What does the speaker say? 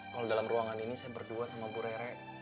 kalau dalam ruangan ini saya berdua sama bu rere